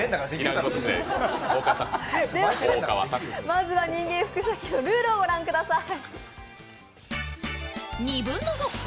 まずは「人間複写機」のルールをご覧ください。